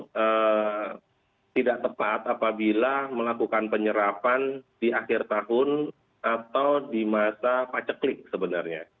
yang tidak tepat apabila melakukan penyerapan di akhir tahun atau di masa paceklik sebenarnya